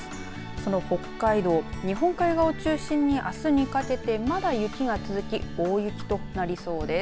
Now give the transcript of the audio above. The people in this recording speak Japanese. その北海道、日本海側を中心にあすにかけてまだ雪が続き大雪となりそうです。